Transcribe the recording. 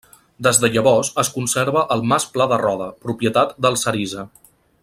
Des de llavors es conserva al Mas Pla de Roda, propietat dels Arisa.